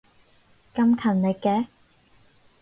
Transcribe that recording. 咁勤力嘅